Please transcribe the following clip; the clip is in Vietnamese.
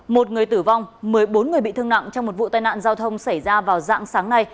một người tử vong một mươi bốn người bị thương nặng trong một vụ tai nạn giao thông xảy ra vào dạng sáng nay